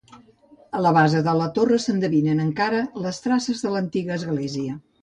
A la base de la torre s'endevinen encara les traces de l'antiga església.